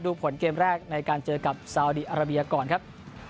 ผลเกมแรกในการเจอกับซาวดีอาราเบียก่อนครับ